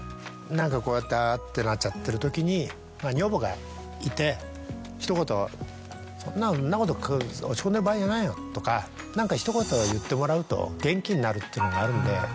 何かこうだってなっちゃってるときに女房がいてひと言「そんなこと落ち込んでる場合じゃないよ」とか何かひと言言ってもらうと元気になるっていうのがあるんで。